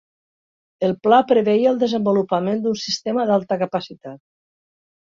El pla preveia el desenvolupament d'un sistema d'alta capacitat.